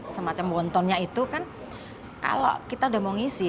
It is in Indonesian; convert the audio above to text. semacam montonnya itu kan kalau kita udah mau ngisi